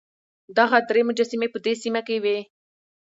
دغه درې مجسمې په دې سیمه کې وې.